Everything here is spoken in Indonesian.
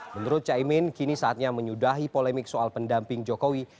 menurut caimin kini saatnya menyudahi polemik soal pendamping jokowi